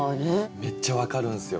めっちゃ分かるんすよ。